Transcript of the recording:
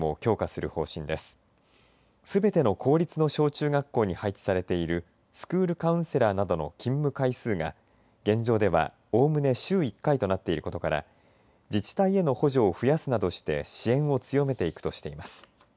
すべての公立の小中学校に配置されているスクールカウンセラーなどの勤務回数が現状ではおおむね週１回となっていることから自治体への補助を増やすなどして支援を強めていくとしています。